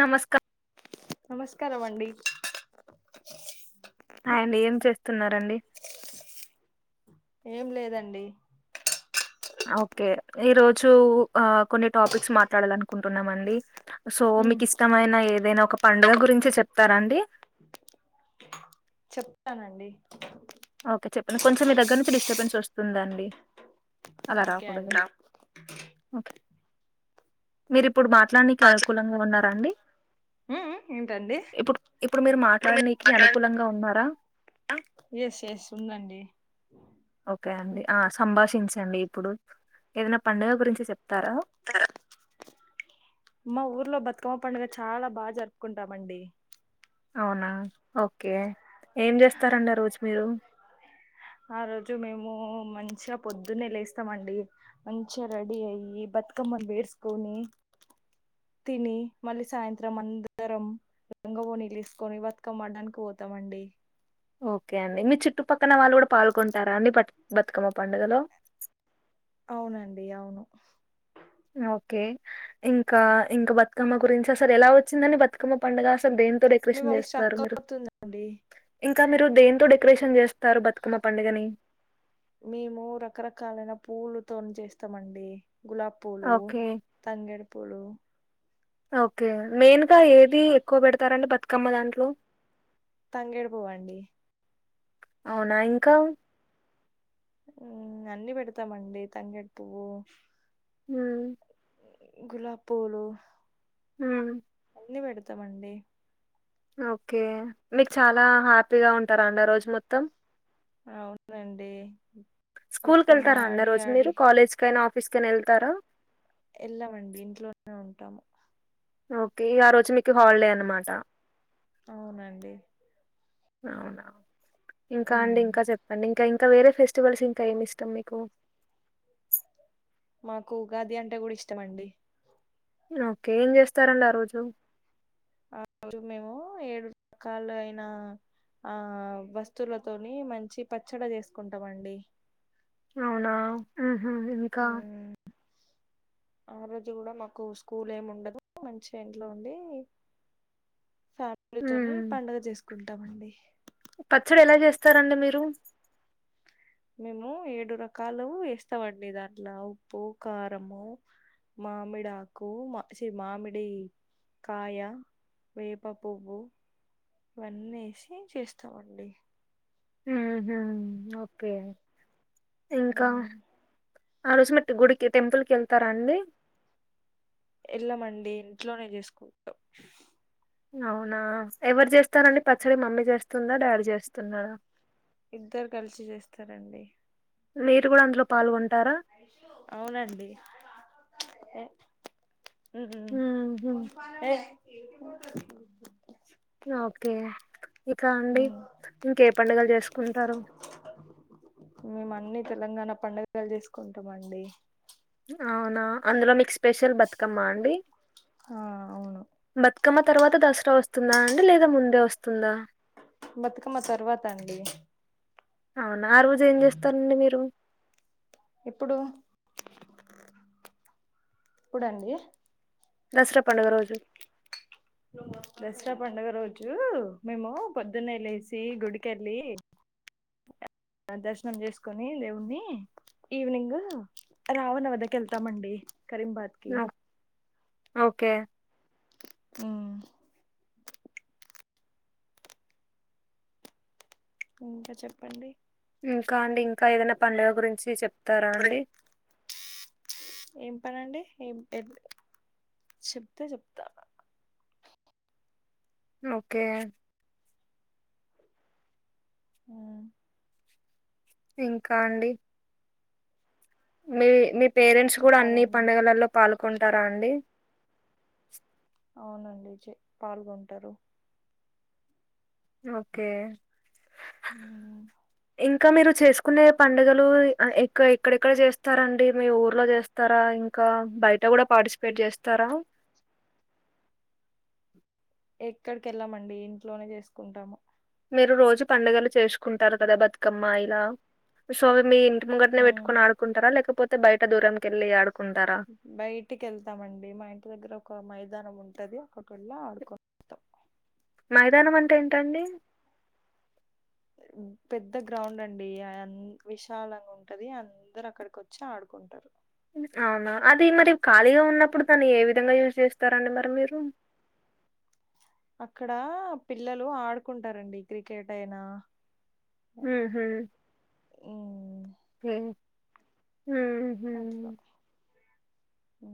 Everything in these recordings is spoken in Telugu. నమస్కా. నమస్కారం అండి. స్తున్నారండి. ఏం లేదండి. ! ఆ ఒకే ఈరోజు ఆ కొన్ని టాపిక్స్ మాట్లాడాలనుకుంటున్నామండి. సో ఉమ్ మీకిష్టమైన ఏదైనా ఒక పండగా గురించి చెప్. ప్తారా అండి.? ! చెప్తానండి. ఆ ఒకే చెప్పండి, కొంచెం మీ దగ్గర నుంచి డిస్టర్బెన్స్ వస్తుందండి. అలా ఓకే రాకూడదు, అండి ఒకే. మీరిప్పుడు మాట్లానీకి అనుకూలంగా ఉన్నారాండి? ఉమ్ ఉమ్ ఏంటండి ఇప్పుడ్ ఇప్పుడు మీరు మీరు మాట్లానీకి మాట్లాడు అనుకూలంగా ఉన్నారా? ఎస్, ఎస్ ఉందండి. ఒకే అండి ఆ సంభాషించండి ఇప్పుడు. ఏదైనా పండుగ గురించి చెప్తారా? మా ఊర్లో బతుకమ్మ పండుగ చాలా బా జరుపుకుంటామండి. ! అవునా, ఒకే. ఏం జేస్తారండి ఆ రోజు మీరు? ఆ రోజు మేము మంచిగా పొద్దున్నే లేస్తామండి. మంచిగా రెడీ అయ్యి, బతుకమ్మన్ బేర్స్కొని, తిని, మళ్ళీ సాయంత్రం అందరం లంగవోణీలు ఏసుకొని బతుకమ్మ ఆడానికి వోతామండి. ఒకే అండి. మీ చుట్టుపక్కన వాళ్ళు గూడా పాల్గొంటారా అండి బత్ బతుకమ్మ పండుగలో? అవునండి, అవును. ఆ ఒకే ఇంకా ఇంకా బతుకమ్మ గురించి అసలు ఎలా వచ్చిందని బతుకమ్మ పండుగ అసలు దేన్? మీ వాయిస్ స్ట్రక్ అవుతుందండి. ! ఇంకా మీరు దేంతో డెక్రేషన్ జేస్తారు బతుకమ్మ పండుగని? మేము రకరకాలైన పూలుతోన్ జేస్తామండి. గులాబ్ పూలు, ఓకే. తంగేడు. ప్పులూ. ఆ ఒకే. మెయిన్గా ఏది ఎక్కువ బెడతారండి బతుకమ్మ దాంట్లో? తంగేడు పూవండి. అవునా ఇంకా.? ఊ.. అన్నీ బెడతామండి తంగేడ్ పువ్వు. హ్మ్. గులాబ్ పూలు. హ్మ్. అన్ని బెడతామండి. అ ఒకే. మీకు చాలా హ్యాపీగా ఉంటారా అండి ఆ రోజు మొత్తం? అవునండి. స్కూల్ బతుకమ్మ కెళ్తారా అండి ఆ ఆడి రోజు ఆడి మీరు కాలేజ్ కైనా, ఆఫ్? ఫీస్కైనా ఎళ్తారా? ఎళ్ళమండి ఇంట్లోనే ఉంటాము. ఆ ఒకే. ఇగ ఆ రోజు మీకు హాలిడే అనమాట!. అవునండి. అవునా. ! ఇంకా అండి మ్ ఇంకా చెప్పండి ఇంకా ఇంకా వేరే ఫెస్టివల్స్ ఇంకా ఏమి ఇష్టం మీకు మాకు ఉగాది అంటే గూడా ఇష్టమండి ఓకే ఏం జేస్తారండి ఆ రోజు ఆ రోజు మేము ఏడు కాల అయినా ఆ వస్తువులతోని మంచి పచ్చడ జేసుకుంటామండి అవునా మ్మ్ హ్మ్ ఇంకా మ్ ఆ రోజు గూడా మాకు స్కూల్ ఏమి ఉండదు మంచిగ ఇంట్లో ఉండీ ఫ్యామిలీతోనే పండగ జేసుక్ కుంటామండి పచ్చడెలా చేస్తారండి మీరు మేము ఏడు రకాలు ఏస్తామండి దాంట్లో ఉప్పు కారము మామిడి ఆకు మ ఛీ మామిడి కాయ వేప పువ్వు ఇవన్నేసి చేస్తామండి. హ్మ్ హు ఓకే ఇంకా ఉమ్, ఆ రోజుమెట్ గుడికి టెంపుల్కెళ్తారా అండి ఎళ్ళమండి ఇంట్లోనే చేసుకుంటాం అవునా ఎవరు చేస్తారండి పచ్చడి మమ్మీ చేస్తుందా డాడీ చేస్తున్నాడ ఇద్దరు కలిసి చేస్తారండి మీరు గూడా అందులో పాల్గొంట్ అవునండి ఎ హ్మ్ హుహు. హు ఏ ఆ ఓకే ఇకా అండి ఉమ్, ఇంకే పండుగలు చేసుకుంటారు మేము అన్ని తెలంగాణ పండుగలు చేస్ కుంటామండి అవునా అందులో మీ స్పెషల్ బతుకమ్మ అండి ఆ అవును బతుకమ్మ తర్వాత దసరా వస్తుందా అంటే లేదా ముందే వస్తుందా బతుకమ్మ తర్వాత అండి అవునా ఆ రోజు ఏం చేస్తరండి మీరు ఇప్పుడు ఇప్పుడండి దసరా పండుగ రోజు ను దసరా పండుగ రోజు మేము పొద్దున్నే లేసి గుడికెళ్ళి ఆ దర్శనం చేసుకొని దేవుని ఈవినింగ్ రావణ వద్దకు వెళ్తామండి కరీంబాద్ కి ఓ ఓకే మ్మ్ ఇంక చప్పండి ఇంకా అండి ఇంక్ కా ఏదన్న పండగ గురించి చెప్తారా అండి ఏం పనండి ఏం ఎడ్ చెప్తే చెప్తా ఓకే ఊ ఇంకా అండి మీవి మిప్ పేరెంట్స్ కుడా అన్ని చెప్పాలండి పండగలల్లో పాల్ కుంటారా అండి అవునండి చె పాల్గొంటారు ఓకే ఊ ఇంకా మీరు చేసుకునే పండగలు ఆ ఎక్క ఎక్కడెక్కడ జేస్తారండి మీ ఊర్లో జేస్తరా ఇంకా బయట గుడా పార్టిస్పేట్ జేస్తారా ఎక్కడికి ఎళ్ళమండి ఇంట్లోనే చేసుకుంటాము మీరు రోజు పండగలు చేస్కుంటారు కదా బతుకమ్మ ఇలా సో మీ ఇన్ ట్ ముంగట్నే మ్మ్ పెట్కొన్ ఆడుకుంటరా లేకపోత్ తే బైట దూరం కెళ్లి ఆడు బైటికి ఎళ్తామండి మా ఇంటి దగ్గర ఒక మైదానం ఉన్ టది అక్కడ్ కెళ్ళ ఆడుకోల్ తప్ మైదానం అంటే ఏంటండి పెద్ద గ్రౌండ్ అండి అన్ విశాలంగ ఉంటది అందరు అక్కడికి వొచ్చి ఆడుకుంటారు అవునా అది మరి ఖాళీగా ఉన్నప్పుడు దన్ని ఏ విధంగా యూజ్ జేస్తారండి మర మీరు అక్కడా పిల్లలు ఆడుకుంటారండి క్రికెట్ అయినా హు హు ఊ హే అట్ల ఊ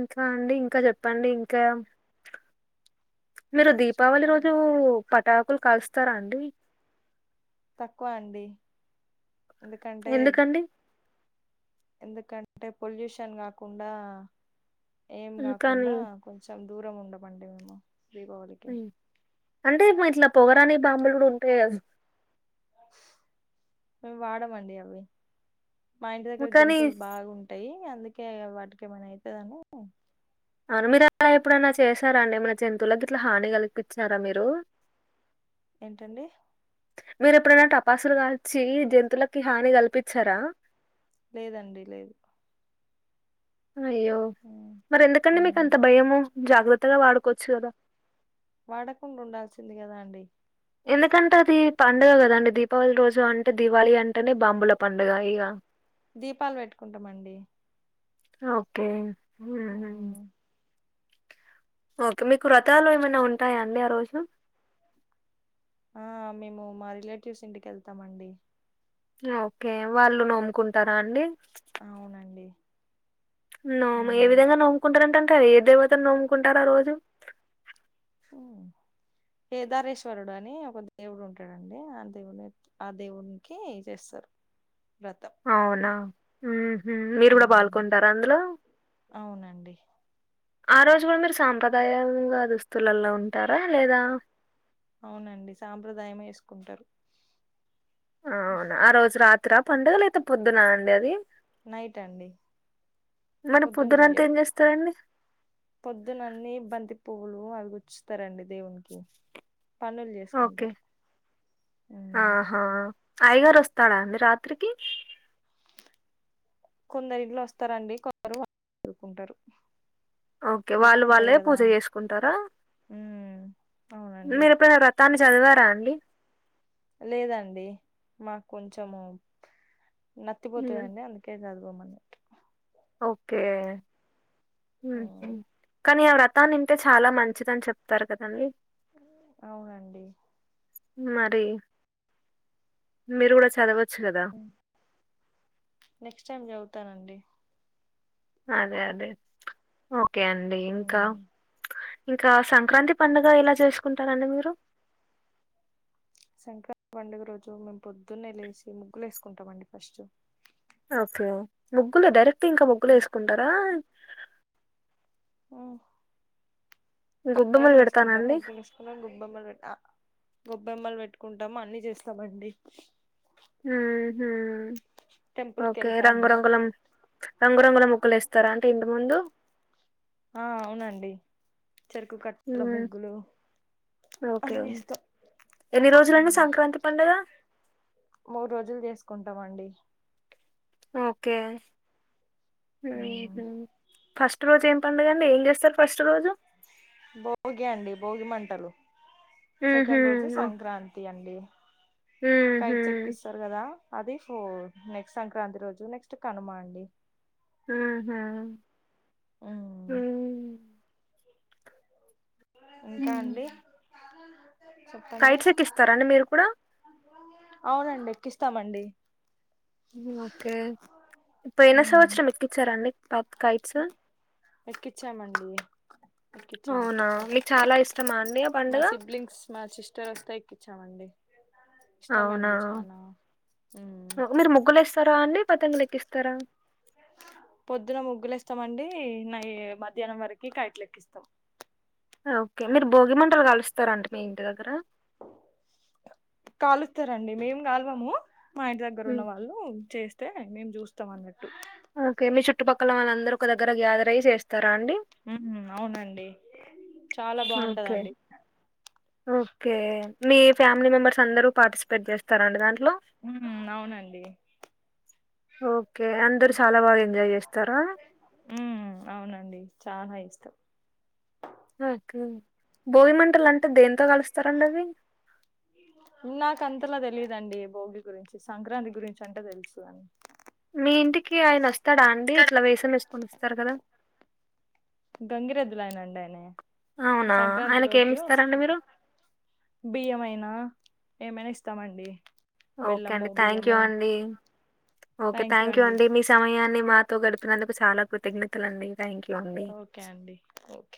ఇంకా అండి ఇంక జప్పండి ఇంకా మీరు దీపావళి రోజు చెప్పాలి పటాక్ కుల్ కాలుస్తారా అండి తక్కువ అండి ఎందుకంటే ఎందుకండి? ఎందుకన్ టే పొల్యూషన్ కాకుండా ఏం హ్మ్. గాకుండ కానీ కొంచం దూరం ఉండమండి మేము దీపావళికి ఒయ్ అంటే మా ఇట్ల పొగరాని బాంబుల్ గుడ ఉంటై గదా మేము వాడమండి అవి మా ఇంటి హ్మ్. దగ్గర కానీ జంతువులు బాగుంటాయి అందు కే వాటికి ఏమైన అయితది అని అవున మీరు అలా ఎప్పుడైన చేసారా అండి ఏమైన జంతువులకి ఇట్లా హాని కల్పించారా మీరు ఏంటండి మీరు ఎప్పుడైనా టపాసులు కాల్చి జంతువులకి హాని కల్పించారా లేదండి లేదు అయ్యో ఉమ్ మరి ఎందుకండీ మీకు ఉమ్ అంత భయము జాగ్రత్తగా వాడుకోవచ్చు కదా వాడకుండా ఉండాల్సింది కదా అండీ ఎందుకంటే అది పండుగ కదండి దీపావళి రోజు అంటే దివాళి అంటేనే బాంబుల పండుగ ఇగ దీపాలు వెట్టుకుంటామండి ఓకే మ్ ఉమ్ ఓకే మీకు వ్రతాలు ఏమైనా ఉంటాయా అండి ఆ రోజు అ మేము మా రిలేటివ్స్ ఇంటికి వెళ్తామండి అ ఓకే వాళ్లు నోముకుంటారా అండి అవునండి నోము ఏ ఉమ్ విధంగా నోముకుంటారం ట ఏ దేవత ను నోముకుంటారు ఆ రోజు మ్ కేదారేశ్వరుడు అని ఒక దేవుడు ఉంటాడు అండి ఆ దేవుని ఆ దేవునికి చేస్తారు వ్రతం అవునా ఉమ్ హ్మ్ మీరు కూడా ఉమ్ పాల్గొంటారా అందులో అవునండి ఆ రోజు కూడా మీరు సాంప్రదాయంగా దుస్తులలో ఉంటారా లేదా అవునండి సాంప్రదాయమే ఏసుకుంటారు అవునా ఆ రోజు రాత్రి ఇ పండుగల అయితే పొద్దున అండి అది నైట్ అండి మరి పొద్దున పొద్దునంతా ఏం చెయ్యరు చేస్తారండి పొద్దున అన్ని బంతి పూవ్వులు అవి గుచ్చుతార అండి దేవునికి పనులు ఓకే చేసుకుంటారు అయగారు వస్తాడా అండి రాత్రికి కొందరి ఇంలు వస్తారండి కొరు చరుకుంటారు ఓకే వాళ్ళు వాళ్ళే పూజ చేసుకుంటారా ఉమ్ అవునండి మీరు ఎప్పుడ వ్రతని చదివారా అండి లేదండి మాకు కొంచెము హ్మ్. నత్తిపోతుదండి అంత కేకదు ఇ మ ఓకే ఉమ్, కనీ ఆ వ్రత తా నింటే చాలా మంచిదని చెప్తారు కదండి. అవునండి మరి మీరు కూడా చదవచ్చు కదా. నెక్స్ట్ టైమ్ చదువుతానండి. అదే అదే ఓ కే అండి ఇంకా ఉమ్. ఇంకా సంక్రాంతి పండుగ ఎలా చేసుకుంటారండి మీరు? సంక్రాంతి పండుగ రోజు మేము పొద్దున్నే లేసి ముగ్గులేసుకుంటామండి ఫస్ట్. అకే ముగ్గులు డైరె క్ట్ ఇంకా ముగ్గులేసుకుంటారా? ఊమ్ గొబ్బెమ్మలు కలర్లు వేసుకుంటాం పెడతానండి ముగ్గులు వేసుకున్నాక గొబ్బెమ్మల్ పెడ్ ఆ గొబ్బెమ్మలు పెట్టుకుంటాము అన్నీ చేస్తామండి. టెంపుల్ కి ఓకే వెళ్తాము రంగురంగులం రంగురంగుల ముగ్గులేస్తారా? అంటే ఇంటి ముందు. ఆ అవునండి. చెరుకు కట్టల మ్మ్. ముగ్గులు. ఓకే అన్ని ఇస్తాం ఎన్ని రోజులండి సంక్రాంతి పండగ? మూడు రోజులు చేసుకుంటామండి. ఓకే ఊహూ ఫస్ట్ రోజు ఏం పడగండి? ఏం చేస్తారు ఫస్ట్ రోజు? భోగి అండి భోగి మంటలు. ఊహూ. సెకండ్ రోజు సంక్రాంతి అండి. ఊహూ. కైట్స్ ఎక్కిస్తారు కదా అది ఫ్ నెక్స్ట్ సంక్రాంతి రోజు నెక్స్ట్ కనుమ అండి. ఊహూ ఉమ్ హూమ్ ఇంకా మ్మ్. అండి? చెప్పండి కైట్స్ ఎక్కిస్తారా అండి మీరు కూడా? అవునండి ఎక్కిస్తామండి. హ్మ్ ఓకే పోయిన సంవత్సరం ఎక్కిచ్చారా అండి? ఎక్కిచ్చామండి ఎక్కిచ్చాం అవునా ఎక్కిచ్చాం మీకు చాలా ఇష్టమా అండి ఆ మా పండుగ సిబ్లింగ్స్ మా సిస్టర్ వస్తే ఎక్కిచ్చామండి. అవునా ఇష్టమండి చానా. ఊమ్ [unintelligible] మీరు ముగ్గులు ఎస్తారా అండి పతంగులెక్కిస్తారా? పొద్దున ముగ్గులు ఏస్తామండి నై మధ్యాహ్నం వరకి కైట్లు ఎక్కిస్తాం. ఓకే మీరు భోగి మంటలు కలుస్తార అండి మీ ఇంటి దగ్గర కాలుస్తారండి మేం కాల్వము మా ఇంటి దగ్గర ఉన్న ఉమ్. వాళ్ళు చేస్త [unintelligible] ే చూస్తామన్నట్టు చుటు పక్కల వాళ్ళందరూ ఒక దగర గేథెర్ అయ్యి చేస్తారు ఉ అవునండి చాలా ఓకే బాగుంటదండి ఓకే మీ ఫ్యామిలీ మెంబర్స్ అందరూ పార్టిసిపేట్ చేస్తారండి దాన్ని ఉ అవునండి ఓ ఓకే అందరు చాలా బాగా ఎంజాయ్ చేస్తారా ఉమ్ అవునండి చాలా ఇష్టం ఓకే భోమిమంటలు అంటే దేంతో కలుస్తారండి అవి నాక అంతలా తెలిదండి భోగి గురించి సంక్రాంతి గురించి అంటా తెలుసు మీ ఇంటికి ఆయన వస్తాడా అండి అని ఇట్లా వేసం వేసుకొని ఇస్తారు కదా గంగిరదులయినండే అవునా సంక్రాంతి ఆయనకి ఏమి రోజు ఇస్తారండి వస్తారు మీరు బియ్యమయినా ఏమైనా ఇస్తామండి ఓకే అండి బెల్లము థ్యాంక్ యూ బియ్యము అండి ఓకే థ్యాంక్ యూ అండి మీ సమయాన్ని మాత్ర తో గడుపినందుకు చాలా కృతజ్ఞతలు అండి థ్యాంక్ యూ అండి ఓకే అండి ఓకే